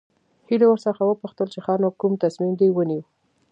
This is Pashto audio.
هيلې ورڅخه وپوښتل چې ښه نو کوم تصميم دې ونيو.